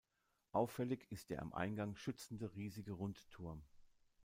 Auffällig ist der am Eingang schützende riesige Rundturm.